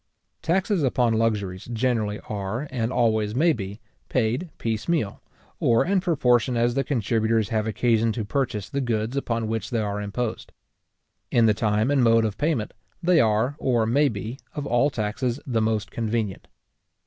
Taxes upon luxuries generally are, and always may be, paid piece meal, or in proportion as the contributors have occasion to purchase the goods upon which they are imposed. In the time and mode of payment, they are, or may be, of all taxes the most convenient.